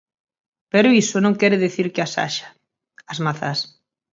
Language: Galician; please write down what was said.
Pero iso non quere dicir que as haxa, as mazás.